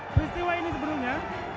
peristiwa ini sebelumnya